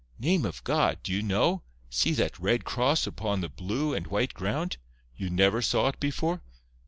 Name of God! do you know? See that red cross upon the blue and white ground! You never saw it before?